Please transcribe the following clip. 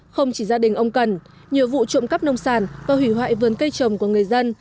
không chỉ gia đình ông cần nhiều vụ trộm cắp nông sản và hủy hoại vườn cây trồng của người dân